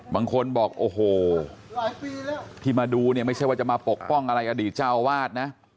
บางคนบอกโอ้โหที่มาดูเนี่ยไม่ใช่ว่าจะมาปกป้องอะไรอดีตเจ้าวาดนะ